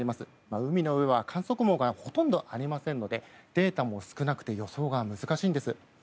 海の上は観測網がほとんどありませんのでデータも少なくて予想が難しいんです。